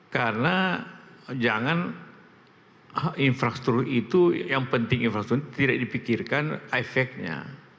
karena jangan infrastruktur itu yang penting infrastruktur itu tidak dipikirkan efeknya